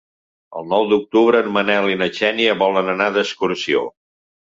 El nou d'octubre en Manel i na Xènia volen anar d'excursió.